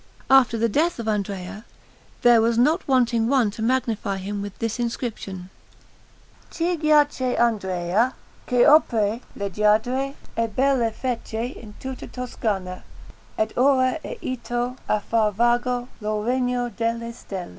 After the death of Andrea there was not wanting one to magnify him with this inscription: QUI GIACE ANDREA, CH' OPRE LEGGIADRE E BELLE FECE IN TUTTA TOSCANA, ED ORA E ITO A FAR VAGO LO REGNO DELLE STELLE.